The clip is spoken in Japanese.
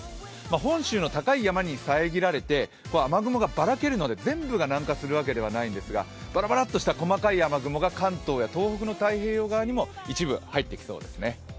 本州の高い山に遮られて雨雲がばらけるので、全部が南下するわけではないんですがバラバラっとした細かい雨雲が関東や東海にも一部入ってきそうですね。